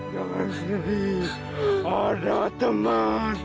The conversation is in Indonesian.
jangan sendiri ada teman